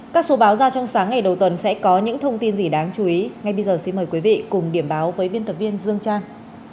các số báo ra trong sáng ngày đầu tuần sẽ có những thông tin gì đáng chú ý ngay bây giờ xin mời quý vị cùng điểm báo với biên tập viên dương trang